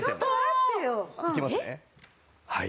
はい。